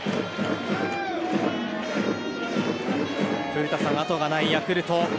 古田さん、あとがないヤクルト。